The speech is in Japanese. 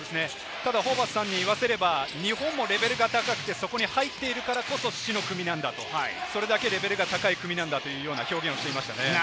ホーバスさんに言わせれば、日本もレベルが高くて、そこに入っているからこそ死の組なんだ、それだけレベルが高い組なんだと表現をしていました。